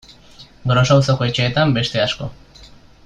Gros auzoko etxeetan beste asko.